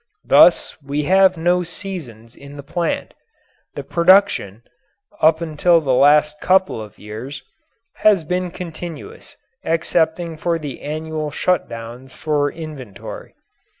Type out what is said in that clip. Thus we have no seasons in the plant; the production, up until the last couple of years, has been continuous excepting for the annual shut downs for inventory.